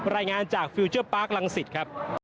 รายงานจากฟิลเจอร์ปาร์คลังศิษย์ครับ